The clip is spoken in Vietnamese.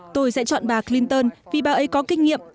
tôi sẽ chọn bà clinton vì bà ấy có kinh nghiệm